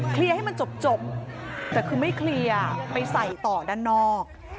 ให้มันจบแต่คือไม่เคลียร์ไปใส่ต่อด้านนอก